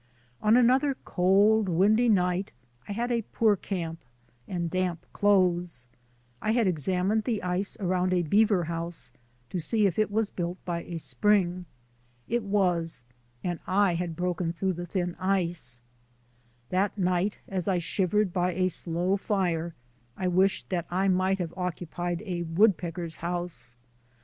On another cold, windy night I had a poor camp and damp clothes. I had examined the ice around a beaver house to see if it was built by a spring. It was, and I had broken through the thin ice. That night as I shivered by a slow fire I wished that I might have occupied a woodpecker's house.